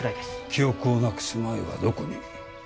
記憶をなくす前はどこに？